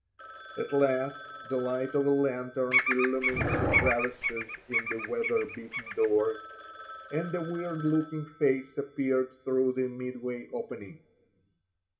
At last the light of a lantern illumined the crevices in the weather beaten doors, and a weird looking face appeared through the midway opening.